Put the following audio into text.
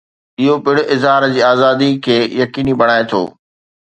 اهو پڻ اظهار جي آزادي کي يقيني بڻائي ٿو.